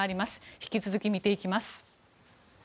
引き続き見ていきます。